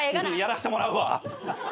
やらせてもらうわ。